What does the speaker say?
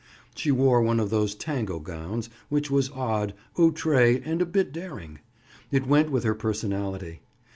She wore one of those tango gowns which was odd, outre and a bit daring. It went with her personality.